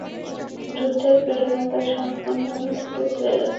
যুদ্ধের প্রেরণা তার সম্পূর্ণ নিস্তেজ হয়ে গেছে।